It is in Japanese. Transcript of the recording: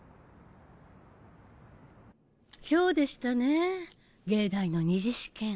今日でしたね藝大の２次試験。